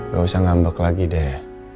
gak usah ngambek lagi deh